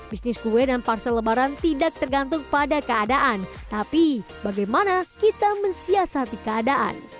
bisnis kue dan parsel lebaran tidak tergantung pada keadaan tapi bagaimana kita mensiasati keadaan